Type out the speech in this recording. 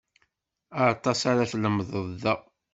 Aṭas ara tlemded da.